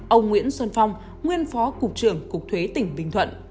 ông nguyễn xuân phong nguyên phó cục trưởng cục thuế tỉnh bình thuận